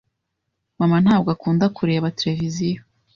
Mama ntabwo akunda kureba televiziyo.